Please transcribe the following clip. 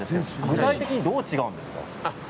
具体的にどう違うんですか？